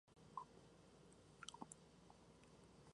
M. Mendoza examinó dos especímenes para averiguar su masa corporal.